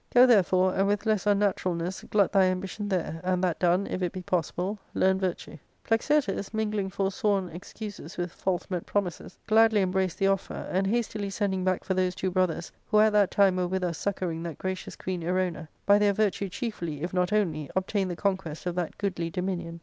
Go, therefore, and with less unnaturalness glut thy ambition there ; and that done, if it be possible, learn virtue. ." Plexirtus, mingling forsworn excuses with false meant promises, gladly embraced the offer, and, hastily sending back for those two brothers, who at that time were with us succouring that gracious queen Erona, by their virtue chiefly, if not only, obtained the conquest of that goodly dominion.